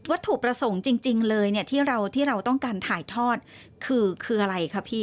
ถูกประสงค์จริงเลยเนี่ยที่เราต้องการถ่ายทอดคืออะไรคะพี่